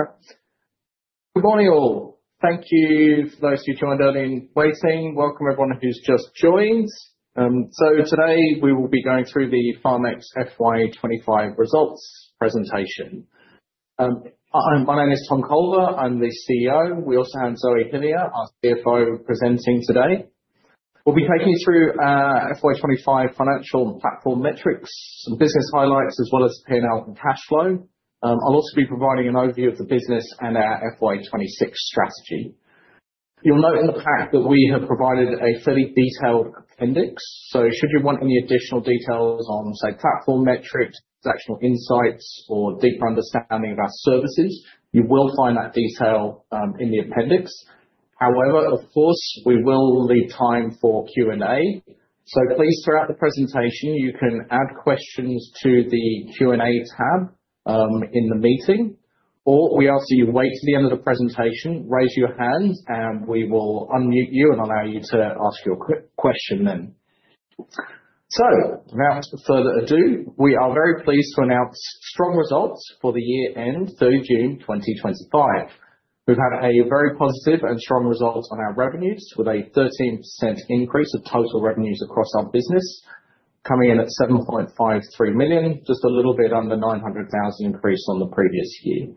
Yeah. Yeah, great. Good morning, all. Thank you for those who joined early in waiting. Welcome, everyone who's just joined. So today we will be going through the PharmX FY 2025 results presentation. My name is Tom Culver. I'm the CEO. We also have Zoe Hillier, our CFO, presenting today. We'll be taking you through FY 2025 financial and platform metrics, some business highlights, as well as P&L and cash flow. I'll also be providing an overview of the business and our FY 2026 strategy. You'll note in the pack that we have provided a fairly detailed appendix. So should you want any additional details on, say, platform metrics, transactional insights, or a deeper understanding of our services, you will find that detail in the appendix. However, of course, we will leave time for Q&A. So please, throughout the presentation, you can add questions to the Q&A tab in the meeting. Or we ask that you wait to the end of the presentation, raise your hand, and we will unmute you and allow you to ask your question then. So without further ado, we are very pleased to announce strong results for the year-end through June 2025. We've had a very positive and strong result on our revenues, with a 13% increase of total revenues across our business, coming in at 7.53 million, just a little bit under 900,000 increase on the previous year.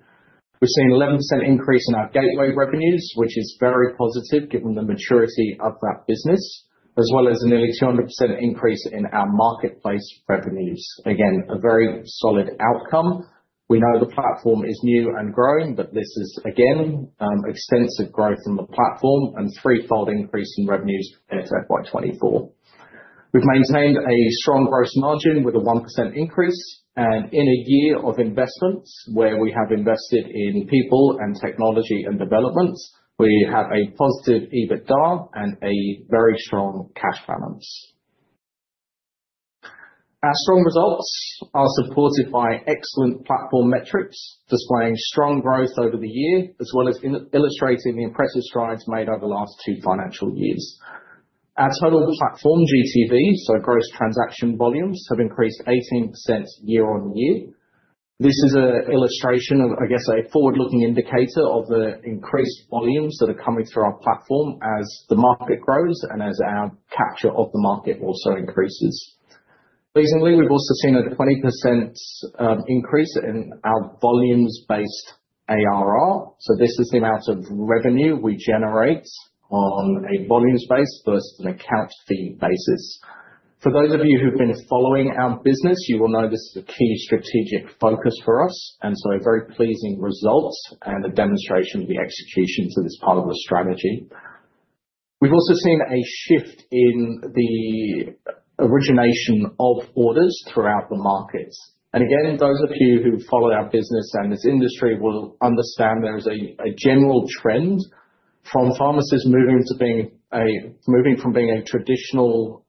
We've seen an 11% increase in our gateway revenues, which is very positive given the maturity of that business, as well as a nearly 200% increase in our marketplace revenues. Again, a very solid outcome. We know the platform is new and growing, but this is, again, extensive growth in the platform and a threefold increase in revenues compared to FY 2024. We've maintained a strong gross margin with a 1% increase, and in a year of investments, where we have invested in people and technology and developments, we have a positive EBITDA and a very strong cash balance. Our strong results are supported by excellent platform metrics, displaying strong growth over the year, as well as illustrating the impressive strides made over the last two financial years. Our total platform GTV, so gross transaction volumes, have increased 18% year on year. This is an illustration of, I guess, a forward-looking indicator of the increased volumes that are coming through our platform as the market grows and as our capture of the market also increases. Recently, we've also seen a 20% increase in our volumes-based ARR, so this is the amount of revenue we generate on a volumes-based versus an account fee basis. For those of you who've been following our business, you will know this is a key strategic focus for us, and so a very pleasing result and a demonstration of the execution to this part of the strategy. We've also seen a shift in the origination of orders throughout the markets, and again, those of you who follow our business and this industry will understand there is a general trend from pharmacists moving from being a traditional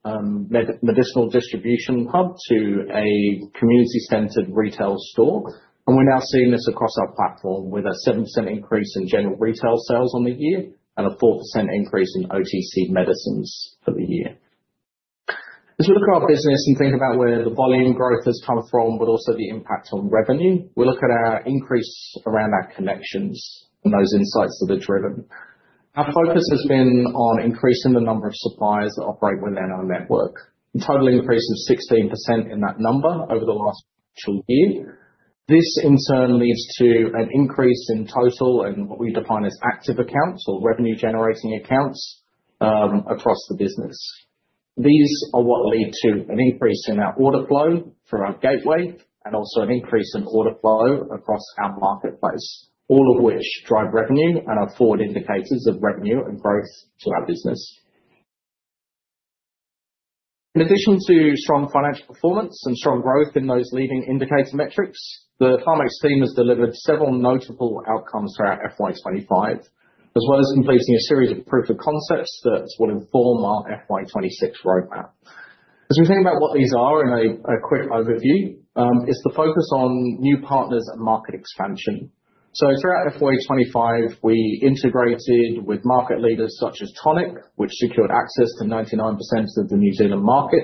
medicinal distribution hub to a community-centered retail store, and we're now seeing this across our platform with a 7% increase in general retail sales on the year and a 4% increase in OTC medicines for the year. As we look at our business and think about where the volume growth has come from, but also the impact on revenue, we look at our increase around our connections and those insights that are driven. Our focus has been on increasing the number of suppliers that operate within our network, a total increase of 16% in that number over the last year. This, in turn, leads to an increase in total and what we define as active accounts or revenue-generating accounts across the business. These are what lead to an increase in our order flow through our gateway and also an increase in order flow across our marketplace, all of which drive revenue and are forward indicators of revenue and growth to our business. In addition to strong financial performance and strong growth in those leading indicator metrics, the PharmX team has delivered several notable outcomes throughout FY 2025, as well as completing a series of proof of concepts that will inform our FY 2026 roadmap. As we think about what these are in a quick overview, it's the focus on new partners and market expansion. So throughout FY 2025, we integrated with market leaders such as Toniq, which secured access to 99% of the New Zealand market,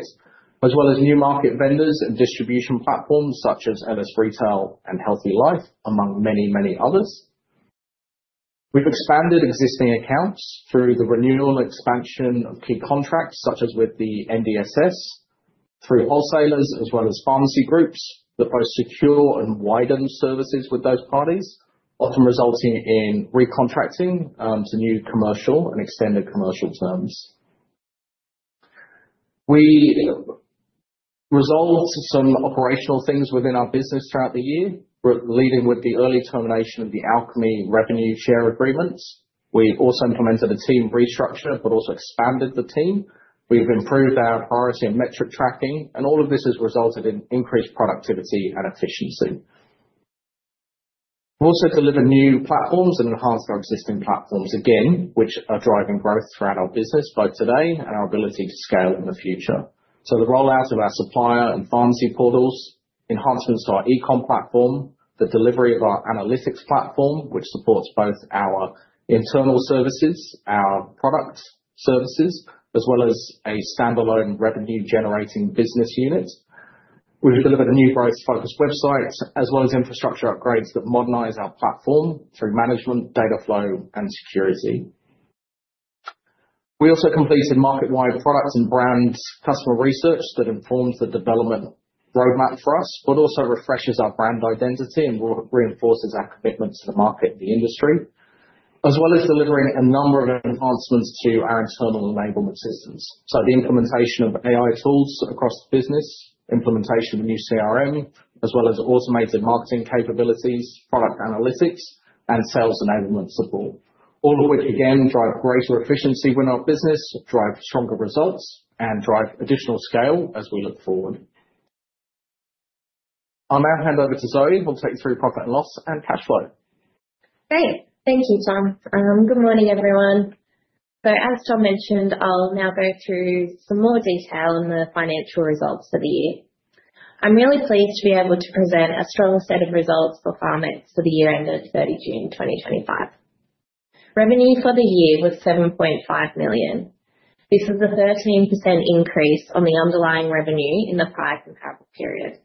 as well as new market vendors and distribution platforms such as LS Retail and Healthylife, among many, many others. We've expanded existing accounts through the renewal and expansion of key contracts, such as with the NDSS, through wholesalers, as well as pharmacy groups that both secure and widen services with those parties, often resulting in recontracting to new commercial and extended commercial terms. We resolved some operational things within our business throughout the year, leading with the early termination of the Alchemy revenue share agreements. We've also implemented a team restructure, but also expanded the team. We've improved our priority and metric tracking, and all of this has resulted in increased productivity and efficiency. We've also delivered new platforms and enhanced our existing platforms again, which are driving growth throughout our business both today and our ability to scale in the future, so the rollout of our Supplier and Pharmacy portals, enhancements to our e-com platform, the delivery of our analytics platform, which supports both our internal services, our product services, as well as a standalone revenue-generating business unit. We've delivered a new growth-focused website, as well as infrastructure upgrades that modernize our platform through management, data flow, and security. We also completed market-wide product and brand customer research that informs the development roadmap for us, but also refreshes our brand identity and reinforces our commitment to the market and the industry, as well as delivering a number of enhancements to our internal enablement systems. So the implementation of AI tools across the business, implementation of a new CRM, as well as automated marketing capabilities, product analytics, and sales enablement support, all of which, again, drive greater efficiency within our business, drive stronger results, and drive additional scale as we look forward. I'll now hand over to Zoe who'll take through profit and loss and cash flow. Great. Thank you, Tom. Good morning, everyone. So as Tom mentioned, I'll now go through some more detail on the financial results for the year. I'm really pleased to be able to present a strong set of results for PharmX for the year-end of 30 June 2025. Revenue for the year was 7.5 million. This was a 13% increase on the underlying revenue in the prior comparable period.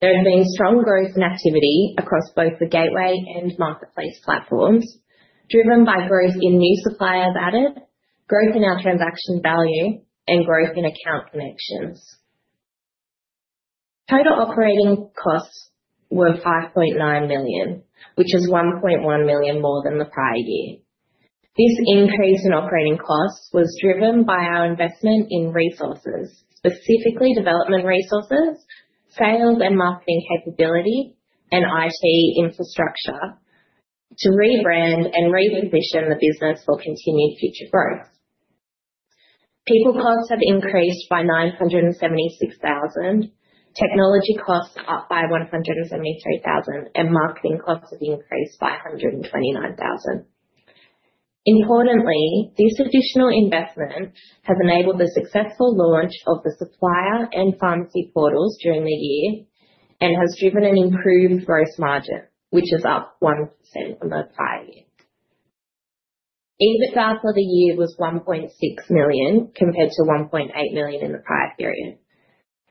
There has been strong growth in activity across both the gateway and marketplace platforms, driven by growth in new suppliers added, growth in our transaction value, and growth in account connections. Total operating costs were 5.9 million, which is 1.1 million more than the prior year. This increase in operating costs was driven by our investment in resources, specifically development resources, sales and marketing capability, and IT infrastructure to rebrand and reposition the business for continued future growth. People costs have increased by 976,000, technology costs up by 173,000, and marketing costs have increased by 129,000. Importantly, this additional investment has enabled the successful launch of the supplier and pharmacy portals during the year and has driven an improved gross margin, which is up 1% from the prior year. EBITDA for the year was 1.6 million compared to 1.8 million in the prior period.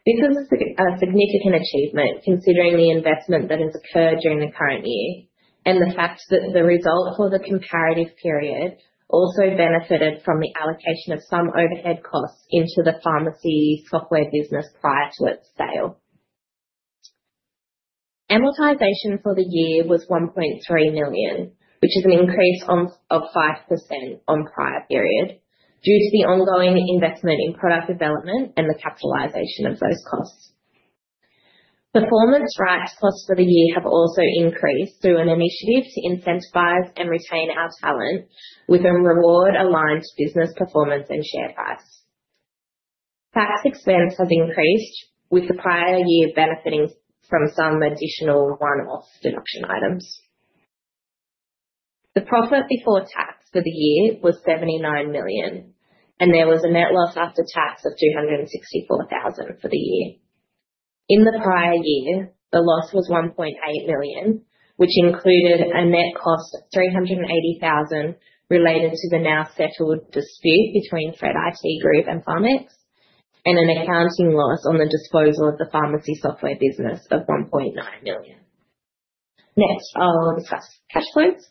This is a significant achievement considering the investment that has occurred during the current year and the fact that the result for the comparative period also benefited from the allocation of some overhead costs into the pharmacy software business prior to its sale. Amortization for the year was 1.3 million, which is an increase of 5% on the prior period due to the ongoing investment in product development and the capitalization of those costs. Performance rights costs for the year have also increased through an initiative to incentivize and retain our talent with a reward-aligned business performance and share price. Tax expense has increased with the prior year benefiting from some additional one-off deduction items. The profit before tax for the year was 79,000, and there was a net loss after tax of 264,000 for the year. In the prior year, the loss was 1.8 million, which included a net cost of 380,000 related to the now-settled dispute between Fred IT Group and PharmX and an accounting loss on the disposal of the pharmacy software business of 1.9 million. Next, I'll discuss cash flows.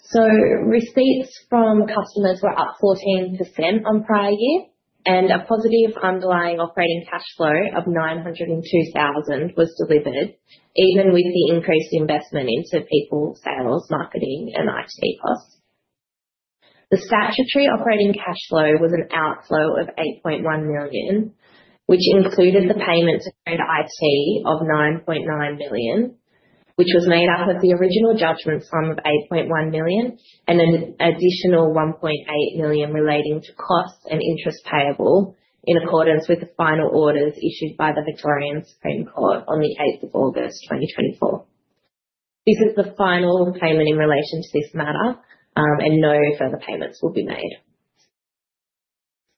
So receipts from customers were up 14% on the prior year, and a positive underlying operating cash flow of 902,000 was delivered, even with the increased investment into people, sales, marketing, and IT costs. The statutory operating cash flow was an outflow of 8.1 million, which included the payment to Fred IT of 9.9 million, which was made up of the original judgment sum of 8.1 million and an additional 1.8 million relating to costs and interest payable in accordance with the final orders issued by the Victorian Supreme Court on the 8th of August 2024. This is the final payment in relation to this matter, and no further payments will be made.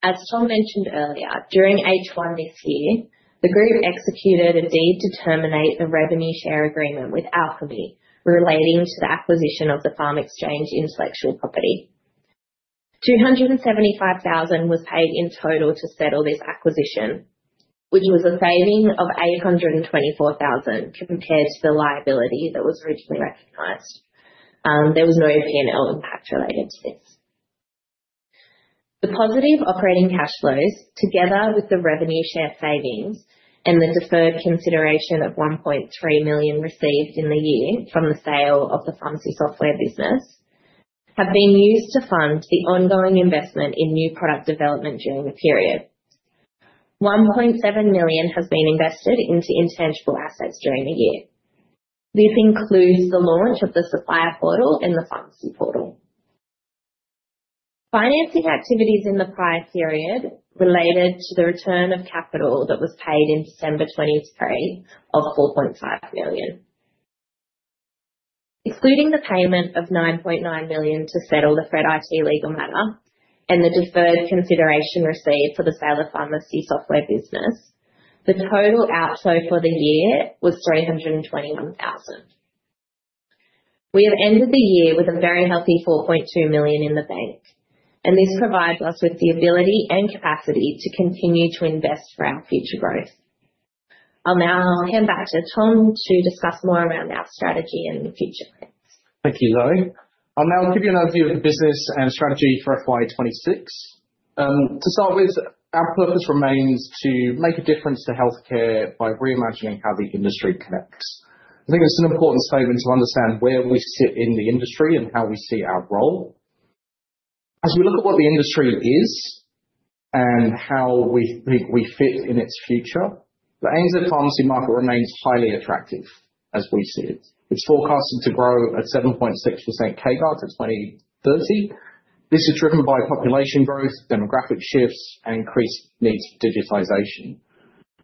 As Tom mentioned earlier, during H1 this year, the group executed a deed to terminate the revenue share agreement with Alchemy relating to the acquisition of the PharmXchange intellectual property. 275,000 was paid in total to settle this acquisition, which was a saving of 824,000 compared to the liability that was originally recognized. There was no P&L impact related to this. The positive operating cash flows, together with the revenue share savings and the deferred consideration of 1.3 million received in the year from the sale of the pharmacy software business, have been used to fund the ongoing investment in new product development during the period. 1.7 million has been invested into intangible assets during the year. This includes the launch of the Supplier Portal and the Pharmacy Portal. Financing activities in the prior period related to the return of capital that was paid in December 2023, of 4.5 million. Excluding the payment of 9.9 million to settle the Fred IT legal matter and the deferred consideration received for the sale of pharmacy software business, the total outflow for the year was 321,000. We have ended the year with a very healthy 4.2 million in the bank, and this provides us with the ability and capacity to continue to invest for our future growth. I'll now hand back to Tom to discuss more around our strategy and future plans. Thank you, Zoe. I'll now give you an overview of the business and strategy for FY 2026. To start with, our purpose remains to make a difference to healthcare by reimagining how the industry connects. I think it's an important statement to understand where we sit in the industry and how we see our role. As we look at what the industry is and how we think we fit in its future, the ANZ pharmacy market remains highly attractive as we see it. It's forecasted to grow at 7.6% CAGR to 2030. This is driven by population growth, demographic shifts, and increased needs for digitization.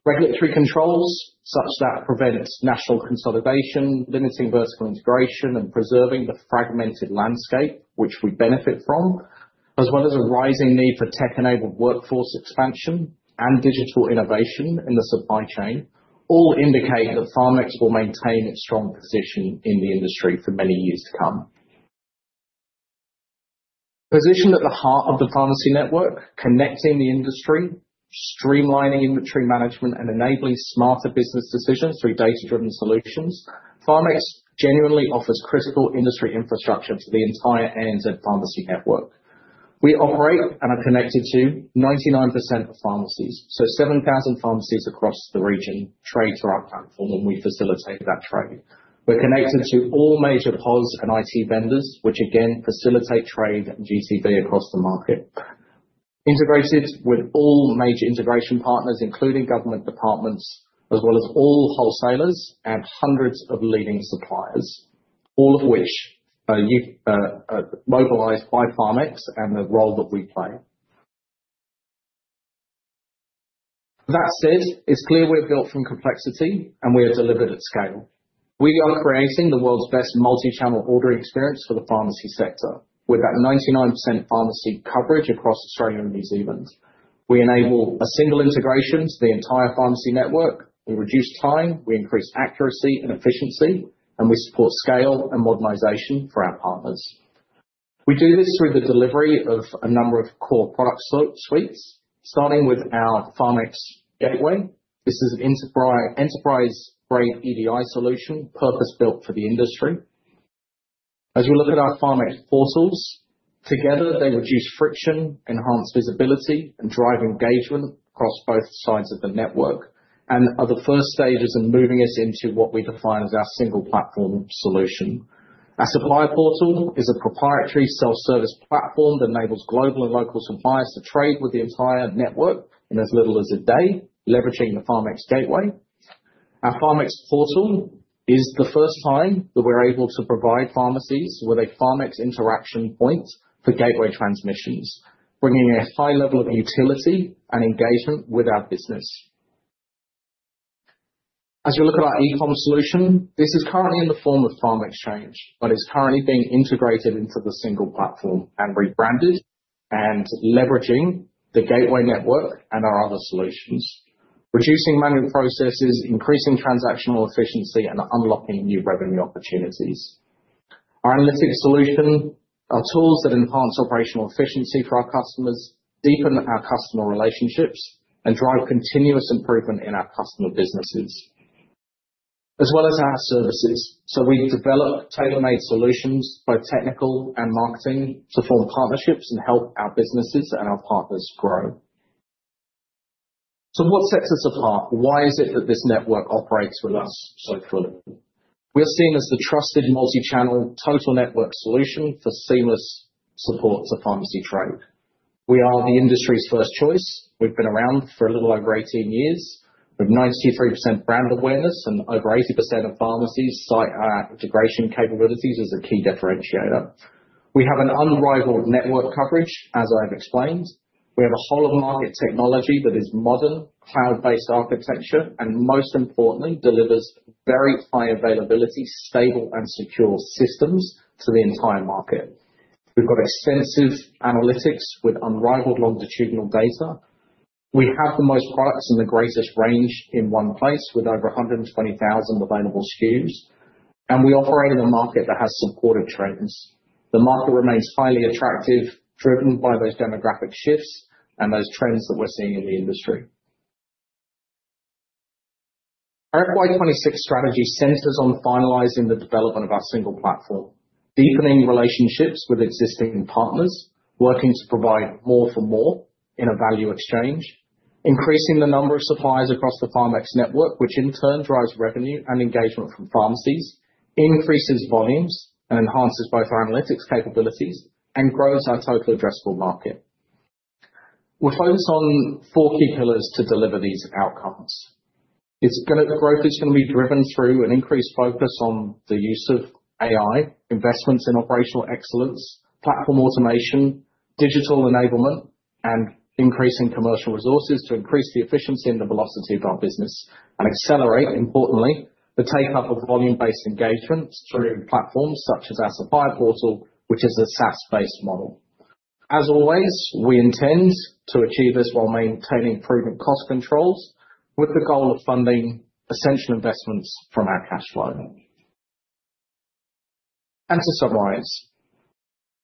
Regulatory controls such that prevent national consolidation, limiting vertical integration and preserving the fragmented landscape, which we benefit from, as well as a rising need for tech-enabled workforce expansion and digital innovation in the supply chain, all indicate that PharmX will maintain its strong position in the industry for many years to come. Positioned at the heart of the pharmacy network, connecting the industry, streamlining inventory management, and enabling smarter business decisions through data-driven solutions, PharmX genuinely offers critical industry infrastructure for the entire ANZ pharmacy network. We operate and are connected to 99% of pharmacies, so 7,000 pharmacies across the region trade through our platform, and we facilitate that trade. We're connected to all major POS and IT vendors, which again facilitate trade and GTV across the market, integrated with all major integration partners, including government departments, as well as all wholesalers and hundreds of leading suppliers, all of which are mobilized by PharmX and the role that we play. That said, it's clear we're built from complexity, and we are delivered at scale. We are creating the world's best multi-channel ordering experience for the pharmacy sector with that 99% pharmacy coverage across Australia and New Zealand. We enable a single integration to the entire pharmacy network. We reduce time, we increase accuracy and efficiency, and we support scale and modernization for our partners. We do this through the delivery of a number of core product suites, starting with our PharmX Gateway. This is an enterprise-grade EDI solution, purpose-built for the industry. As we look at our PharmX portals, together, they reduce friction, enhance visibility, and drive engagement across both sides of the network and are the first stages in moving us into what we define as our single platform solution. Our Supplier Portal is a proprietary self-service platform that enables global and local suppliers to trade with the entire network in as little as a day, leveraging the PharmX Gateway. Our PharmX portal is the first time that we're able to provide pharmacies with a PharmX interaction point for gateway transmissions, bringing a high level of utility and engagement with our business. As we look at our e-com solution, this is currently in the form of PharmXchange, but it's currently being integrated into the single platform and rebranded and leveraging the gateway network and our other solutions, reducing manual processes, increasing transactional efficiency, and unlocking new revenue opportunities. Our analytics solution are tools that enhance operational efficiency for our customers, deepen our customer relationships, and drive continuous improvement in our customer businesses, as well as our services. So we develop tailor-made solutions, both technical and marketing, to form partnerships and help our businesses and our partners grow. So what sets us apart? Why is it that this network operates with us so fully? We are seen as the trusted multi-channel total network solution for seamless support to pharmacy trade. We are the industry's first choice. We've been around for a little over 18 years. We have 93% brand awareness, and over 80% of pharmacies cite our integration capabilities as a key differentiator. We have an unrivaled network coverage, as I've explained. We have a whole-of-market technology that is modern, cloud-based architecture, and most importantly, delivers very high availability, stable, and secure systems to the entire market. We've got extensive analytics with unrivaled longitudinal data. We have the most products and the greatest range in one place with over 120,000 available SKUs, and we operate in a market that has supportive trends. The market remains highly attractive, driven by those demographic shifts and those trends that we're seeing in the industry. Our FY 2026 strategy centers on finalizing the development of our single platform, deepening relationships with existing partners, working to provide more for more in a value exchange, increasing the number of suppliers across the PharmX network, which in turn drives revenue and engagement from pharmacies, increases volumes, and enhances both our analytics capabilities and grows our total addressable market. We're focused on four key pillars to deliver these outcomes. The growth is going to be driven through an increased focus on the use of AI, investments in operational excellence, platform automation, digital enablement, and increasing commercial resources to increase the efficiency and the velocity of our business and accelerate, importantly, the take-up of volume-based engagements through platforms such as our Supplier Portal, which is a SaaS-based model. As always, we intend to achieve this while maintaining prudent cost controls with the goal of funding essential investments from our cash flow, and to summarize,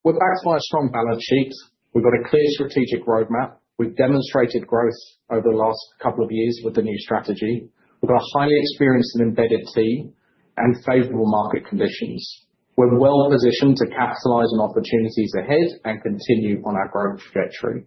we're back to our strong balance sheet. We've got a clear strategic roadmap. We've demonstrated growth over the last couple of years with the new strategy. We've got a highly experienced and embedded team and favorable market conditions. We're well positioned to capitalize on opportunities ahead and continue on our growth trajectory.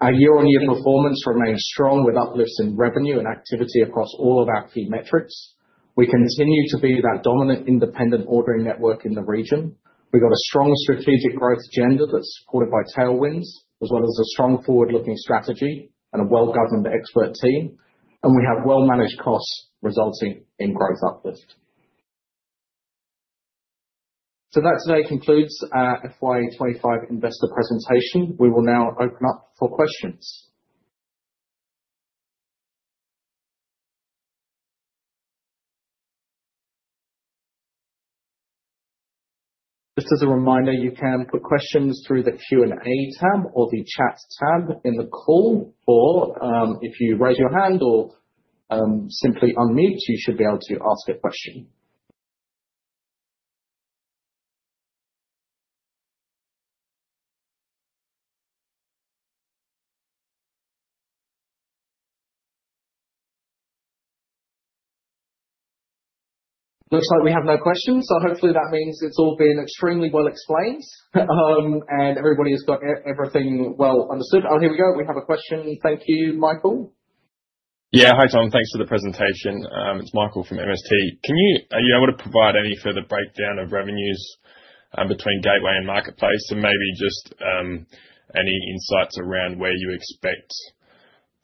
Our year-on-year performance remains strong with uplifts in revenue and activity across all of our key metrics. We continue to be that dominant independent ordering network in the region. We've got a strong strategic growth agenda that's supported by tailwinds, as well as a strong forward-looking strategy and a well-governed expert team. And we have well-managed costs resulting in growth uplift. So that today concludes our FY 2025 investor presentation. We will now open up for questions. Just as a reminder, you can put questions through the Q&A tab or the chat tab in the call, or if you raise your hand or simply unmute, you should be able to ask a question. Looks like we have no questions, so hopefully that means it's all been extremely well explained and everybody has got everything well understood. Oh, here we go. We have a question. Thank you, Michael. Yeah, hi Tom. Thanks for the presentation. It's Michael from MST. Can you provide any further breakdown of revenues between gateway and marketplace and maybe just any insights around where you expect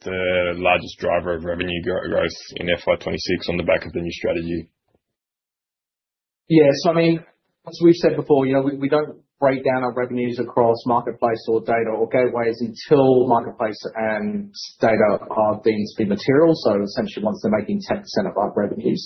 the largest driver of revenue growth in FY 2026 on the back of the new strategy? Yeah, so I mean, as we've said before, we don't break down our revenues across marketplace or data or gateways until marketplace and data are deemed to be material, so essentially, once they're making 10% of our revenues,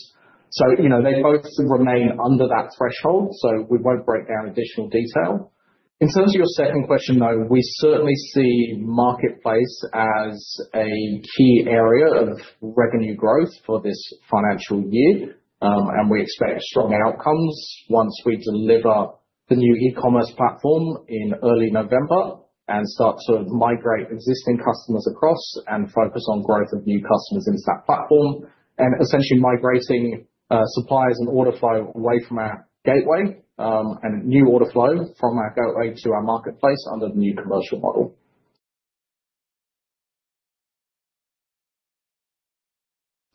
so they both remain under that threshold, so we won't break down additional detail. In terms of your second question, though, we certainly see marketplace as a key area of revenue growth for this financial year, and we expect strong outcomes once we deliver the new e-commerce platform in early November and start to migrate existing customers across and focus on growth of new customers into that platform and essentially migrating suppliers and order flow away from our gateway and new order flow from our gateway to our marketplace under the new commercial model.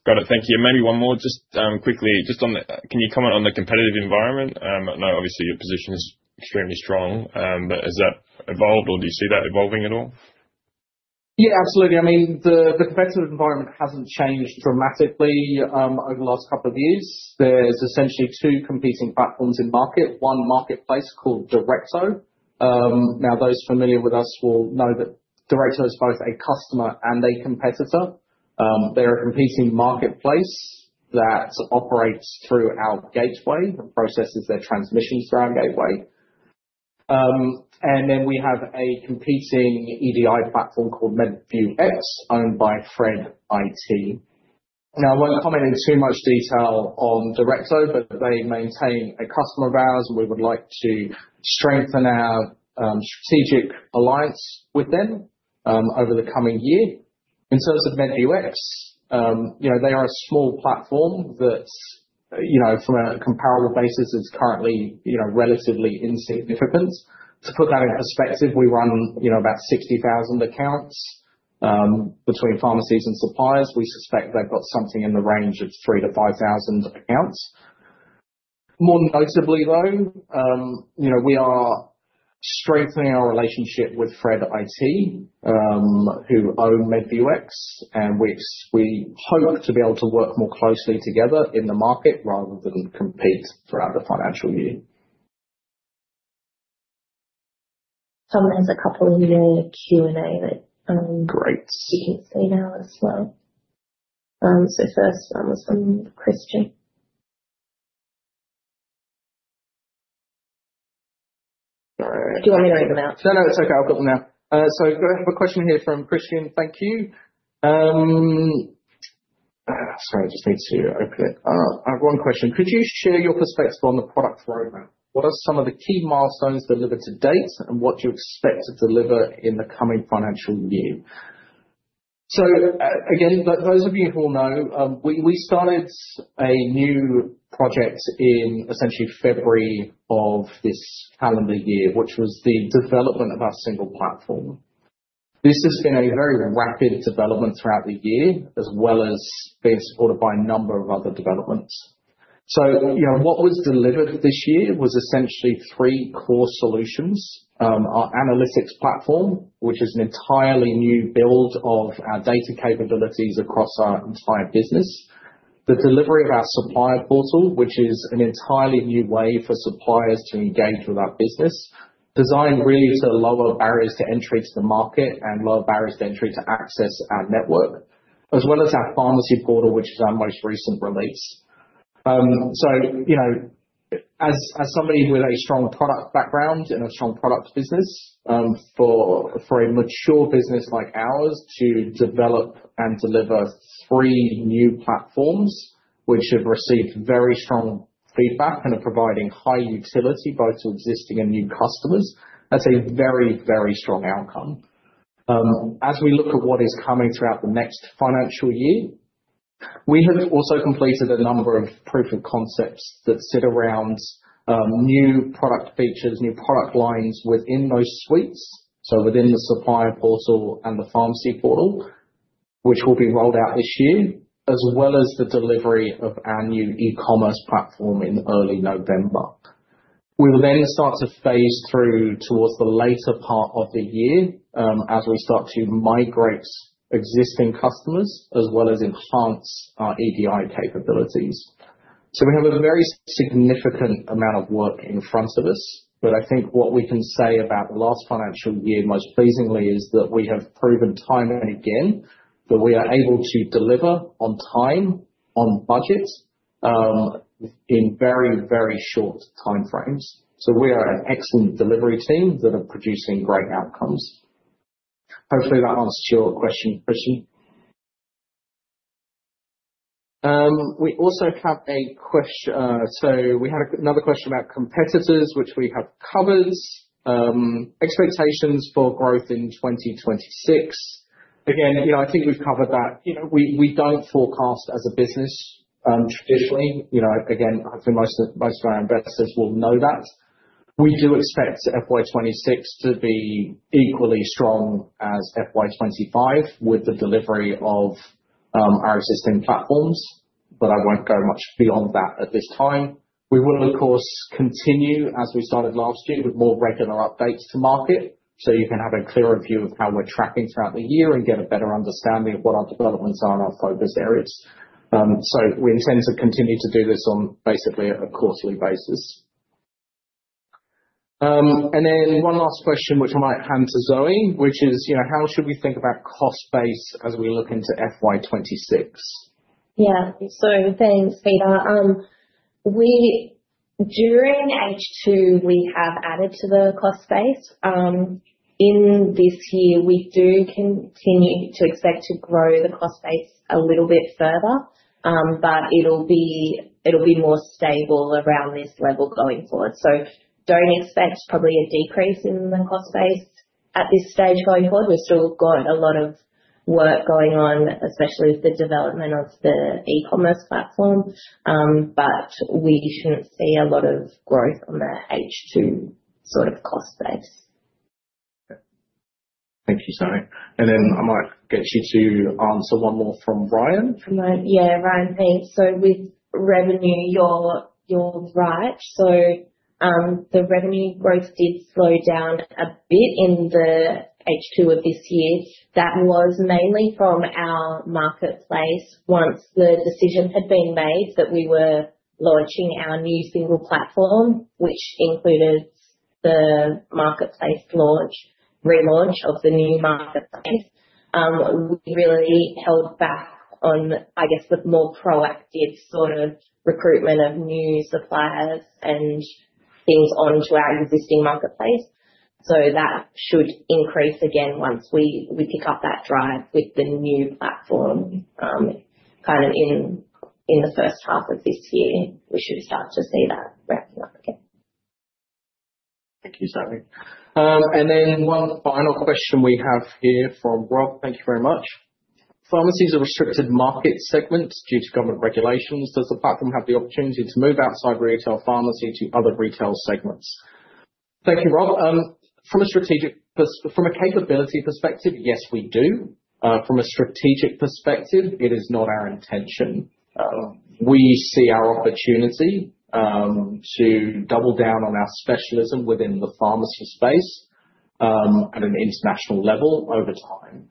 Got it. Thank you. Maybe one more, just quickly, just on the - can you comment on the competitive environment? I know, obviously, your position is extremely strong, but has that evolved or do you see that evolving at all? Yeah, absolutely. I mean, the competitive environment hasn't changed dramatically over the last couple of years. There's essentially two competing platforms in market, one marketplace called Directo. Now, those familiar with us will know that Directo is both a customer and a competitor. They're a competing marketplace that operates through our gateway and processes their transmissions through our gateway. And then we have a competing EDI platform called MedView owned by Fred IT. Now, I won't comment in too much detail on Directo, but they maintain a customer of ours, and we would like to strengthen our strategic alliance with them over the coming year. In terms of MedView, they are a small platform that, from a comparable basis, is currently relatively insignificant. To put that in perspective, we run about 60,000 accounts between pharmacies and suppliers. We suspect they've got something in the range of 3,000 to 5,000 accounts. More notably, though, we are strengthening our relationship with Fred IT, who own MedView, and we hope to be able to work more closely together in the market rather than compete throughout the financial year. Tom has a couple of Q&A that you can see now as well. So first, one was from Christian. Do you want me to read them out? No, no, it's okay. I've got them now. So I have a question here from Christian. Thank you. Sorry, I just need to open it. I have one question. Could you share your perspective on the product roadmap? What are some of the key milestones delivered to date, and what do you expect to deliver in the coming financial year? So again, those of you who will know, we started a new project in essentially February of this calendar year, which was the development of our single platform. This has been a very rapid development throughout the year, as well as being supported by a number of other developments. So what was delivered this year was essentially three core solutions: our analytics platform, which is an entirely new build of our data capabilities across our entire business, the delivery of our Supplier Portal, which is an entirely new way for suppliers to engage with our business, designed really to lower barriers to entry to the market and lower barriers to entry to access our network, as well as our Pharmacy Portal, which is our most recent release. So as somebody with a strong product background and a strong product business, for a mature business like ours to develop and deliver three new platforms, which have received very strong feedback and are providing high utility both to existing and new customers, that's a very, very strong outcome. As we look at what is coming throughout the next financial year, we have also completed a number of proof of concepts that sit around new product features, new product lines within those suites, so within the Supplier Portal and the Pharmacy Portal, which will be rolled out this year, as well as the delivery of our new e-commerce platform in early November. We will then start to phase through towards the later part of the year as we start to migrate existing customers as well as enhance our EDI capabilities. So we have a very significant amount of work in front of us, but I think what we can say about the last financial year, most pleasingly, is that we have proven time and again that we are able to deliver on time, on budget, in very, very short time frames. So we are an excellent delivery team that are producing great outcomes. Hopefully, that answers your question, Christian. We also have a question. So we had another question about competitors, which we have covered. Expectations for growth in 2026. Again, I think we've covered that. We don't forecast as a business traditionally. Again, hopefully, most of our investors will know that. We do expect FY 2026 to be equally strong as FY 2025 with the delivery of our existing platforms, but I won't go much beyond that at this time. We will, of course, continue as we started last year with more regular updates to market so you can have a clearer view of how we're tracking throughout the year and get a better understanding of what our developments are and our focus areas. So we intend to continue to do this on basically a quarterly basis. And then one last question, which I might hand to Zoe, which is, how should we think about cost base as we look into FY 2026? Yeah. So thanks, Peter. During H2, we have added to the cost base. In this year, we do continue to expect to grow the cost base a little bit further, but it'll be more stable around this level going forward. So don't expect probably a decrease in the cost base at this stage going forward. We've still got a lot of work going on, especially with the development of the e-commerce platform, but we shouldn't see a lot of growth on the H2 sort of cost base. Thank you, Zoe. And then I might get you to answer one more from Ryan. Yeah, Ryan Payne. So with revenue, you're right. So the revenue growth did slow down a bit in the H2 of this year. That was mainly from our marketplace once the decision had been made that we were launching our new single platform, which included the marketplace relaunch of the new marketplace. We really held back on, I guess, the more proactive sort of recruitment of new suppliers and things onto our existing marketplace. So that should increase again once we pick up that drive with the new platform kind of in the first half of this year. We should start to see that wrapping up again. Thank you, Zoe. And then one final question we have here from Rob. Thank you very much. Pharmacies are restricted market segments due to government regulations. Does the platform have the opportunity to move outside retail pharmacy to other retail segments? Thank you, Rob. From a capability perspective, yes, we do. From a strategic perspective, it is not our intention. We see our opportunity to double down on our specialism within the pharmacy space at an international level over time.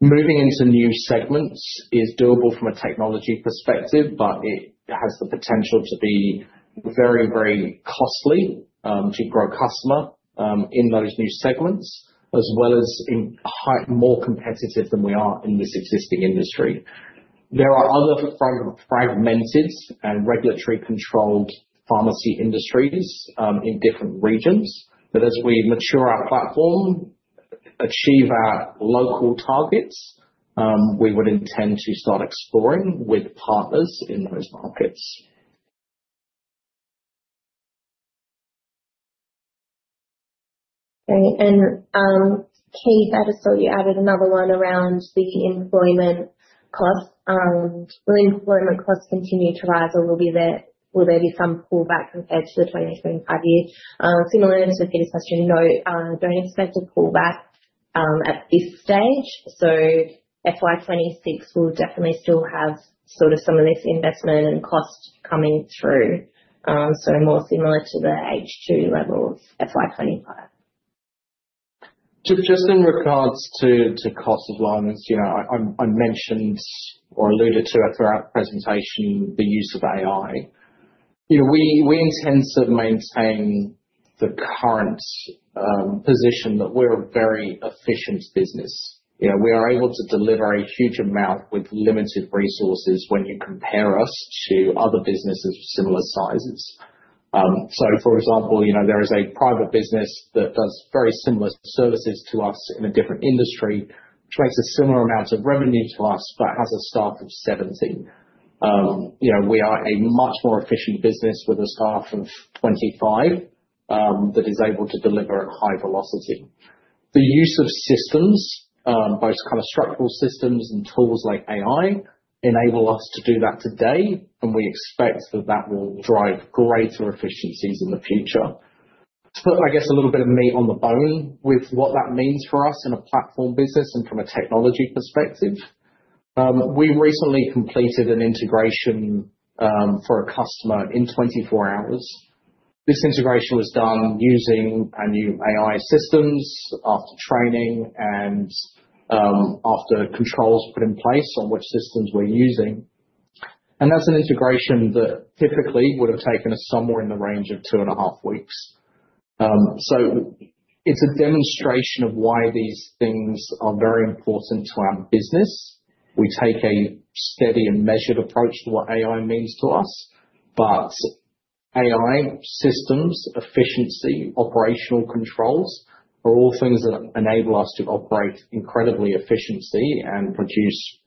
Moving into new segments is doable from a technology perspective, but it has the potential to be very, very costly to grow customers in those new segments, as well as more competitive than we are in this existing industry. There are other fragmented and regulatory-controlled pharmacy industries in different regions, but as we mature our platform, achieve our local targets, we would intend to start exploring with partners in those markets. Great, and Kate, I just saw you added another one around the employment costs: Will employment costs continue to rise, or will there be some pullback compared to the 2025 year? Similar to Peter's question, don't expect a pullback at this stage, so FY 2026 will definitely still have sort of some of this investment and cost coming through, so more similar to the H2 level of FY 2025. Just in regards to cost alignments, I mentioned or alluded to throughout the presentation the use of AI. We intend to maintain the current position that we're a very efficient business. We are able to deliver a huge amount with limited resources when you compare us to other businesses of similar sizes. So for example, there is a private business that does very similar services to us in a different industry, which makes a similar amount of revenue to us, but has a staff of 70. We are a much more efficient business with a staff of 25 that is able to deliver at high velocity. The use of systems, both kind of structural systems and tools like AI, enable us to do that today, and we expect that that will drive greater efficiencies in the future. To put, I guess, a little bit of meat on the bone with what that means for us in a platform business and from a technology perspective, we recently completed an integration for a customer in 24 hours. This integration was done using our new AI systems after training and after controls put in place on which systems we're using. And that's an integration that typically would have taken us somewhere in the range of two and a half weeks. So it's a demonstration of why these things are very important to our business. We take a steady and measured approach to what AI means to us, but AI systems, efficiency, operational controls are all things that enable us to operate incredibly efficiently and produce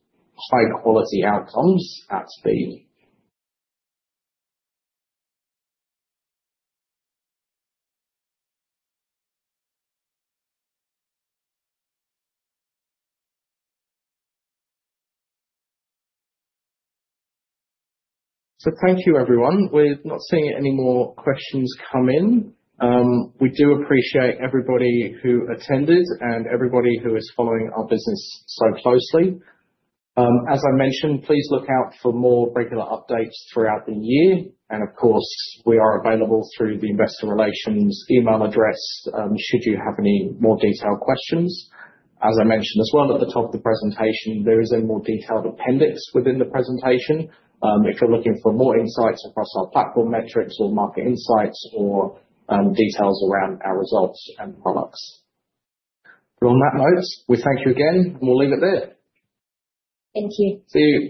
high-quality outcomes at speed. So thank you, everyone. We're not seeing any more questions come in. We do appreciate everybody who attended and everybody who is following our business so closely. As I mentioned, please look out for more regular updates throughout the year. And of course, we are available through the investor relations email address should you have any more detailed questions. As I mentioned as well at the top of the presentation, there is a more detailed appendix within the presentation if you're looking for more insights across our platform metrics or market insights or details around our results and products. But on that note, we thank you again, and we'll leave it there. Thank you. See you.